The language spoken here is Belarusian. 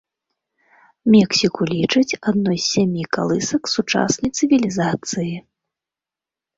Мексіку лічаць адной з сямі калысак сучаснай цывілізацыі.